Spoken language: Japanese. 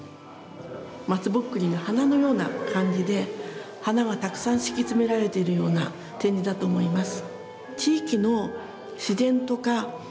まつぼっくりが花のような感じで花がたくさん敷き詰められてるような展示だと思います。